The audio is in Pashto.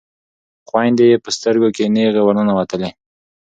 خویندې یې په سترګو کې نیغې ورننوتلې.